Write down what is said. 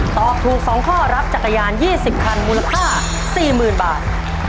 ตอบถูก๒ข้อรับจักรยาน๒๐คันมูลค่า๔๐๐๐บาท